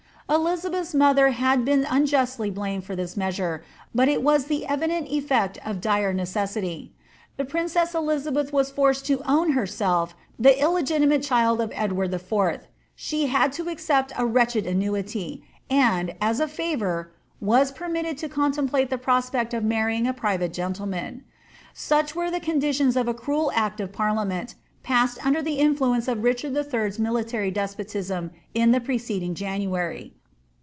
Elizabeth's mother has been unjustly blamed for this measure, but it was the evident effect of dire necessity. The princess Elizabeth was forced to own herself the illegitimate child of Edward IV.; she had to accept a wretched annuity, and, as a fevour, was permitted to contemplate the prospect of marrying a private gentle* man.' Such were the conditions of a cruel act of parliament, passed under the influence of Richard lll.'s military despotism in the preceding January.